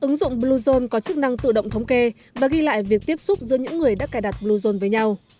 ứng dụng bluezone có chức năng tự động thống kê và ghi lại việc tiếp xúc giữa những người đã cài đặt bluezone với nhau